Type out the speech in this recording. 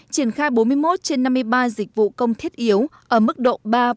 triển khai bốn mươi một trên năm mươi ba dịch vụ công thiết yếu ở mức độ ba bốn